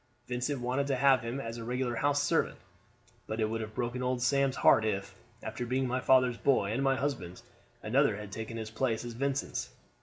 Vincent wanted to have him as his regular house servant; but it would have broken old Sam's heart if, after being my father's boy and my husband's, another had taken his place as Vincent's."